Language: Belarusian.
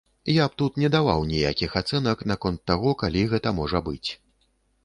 Я б тут не даваў ніякіх ацэнак наконт таго, калі гэта можа быць.